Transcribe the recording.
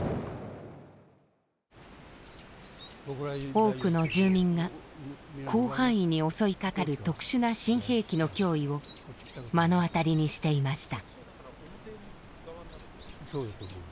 多くの住民が広範囲に襲いかかる特殊な新兵器の脅威を目の当たりにしていました。